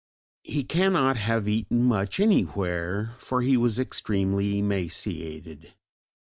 He cannot have eaten much anywhere, for he was extremely emaciated.